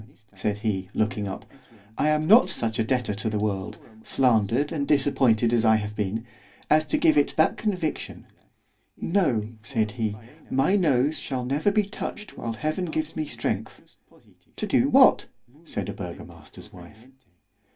said he, looking up—I am not such a debtor to the world——slandered and disappointed as I have been—as to give it that conviction——no! said he, my nose shall never be touched whilst Heaven gives me strength——To do what? said a burgomaster's wife.